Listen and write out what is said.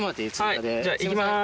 じゃあ行きます。